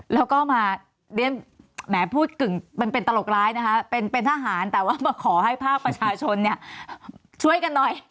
แล้วก็มาแหมพูดกึ่งเป็นตลกร้ายเป็นทหารแต่ว่ามาขอให้ภาพประชาชนช่วยกันหน่อย